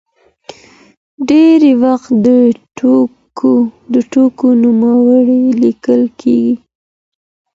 ډېری وخت د توکو نوملړ لیکل کېږي.